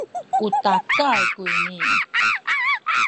u takal kuyni